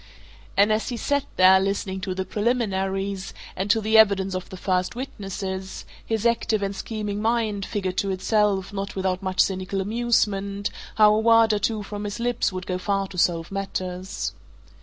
And as he sat there, listening to the preliminaries, and to the evidence of the first witnesses, his active and scheming mind figured to itself, not without much cynical amusement, how a word or two from his lips would go far to solve matters.